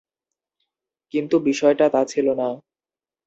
কিন্তু, বিষয়টা তা ছিল না।